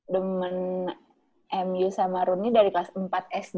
demen mu sama rooney dari kelas empat sd